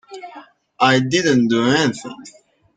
I didn't do anything.